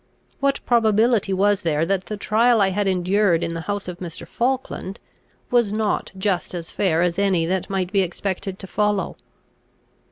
What probability was there that the trial I had endured in the house of Mr. Falkland was not just as fair as any that might be expected to follow?